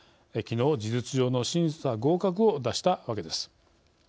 事実上の審査合格を出したわけです。